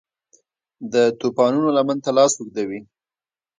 د توپانونو لمن ته لاس اوږدوي